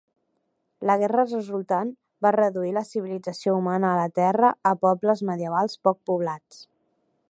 La guerra resultant va reduir la civilització humana a la Terra a pobles medievals poc poblats.